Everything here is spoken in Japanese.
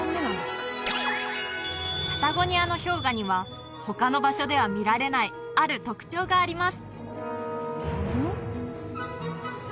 パタゴニアの氷河には他の場所では見られないある特徴があります